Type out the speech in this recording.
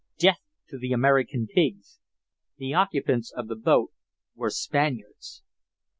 Death to the American pigs!" The occupants of the boats were Spaniards.